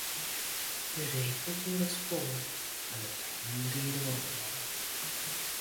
De reek lûkt oer it spoar, mar de treinen ride wol gewoan.